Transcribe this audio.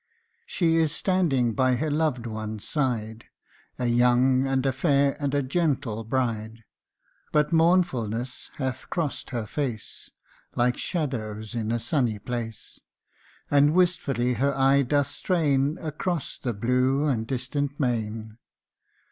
SHE is standing by her loved one's side, A young and a fair and a gentle bride, But mournfulness hath crost her face Like shadows in a sunny place, And wistfully her eye doth strain Across the blue and distant main.